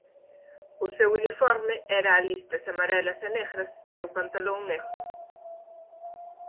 O seu uniforme era a listas amarelas e negras e pantalón negro.